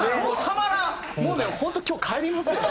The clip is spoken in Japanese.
もうね本当今日帰りますよ。